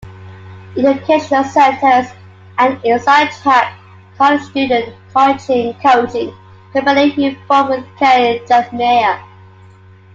Educational Centers and InsideTrack, the college student coaching company he formed with Kai Drekmeier.